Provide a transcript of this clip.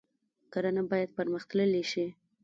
کرنه باید پرمختللې شي